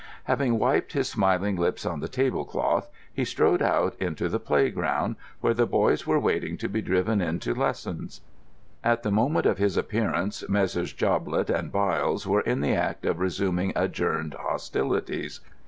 Having wiped his smiling lips on the table cloth, he strolled out into the playground, where the boys were waiting to be driven in to lessons. At the moment of his appearance, Messrs. Joblett and Byles were in the act of resuming adjourned hostilities.